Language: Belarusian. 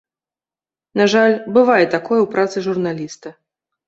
На жаль, бывае такое ў працы журналіста.